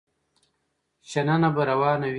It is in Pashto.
شننه به روانه وي.